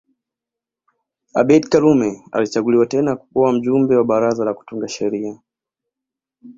Abeid Karume alichaguliwa tena kuwa mjumbe wa baraza la kutunga sheria